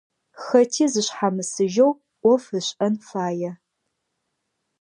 Хэти зышъхьамысыжьэу ӏоф ышӏэн фае.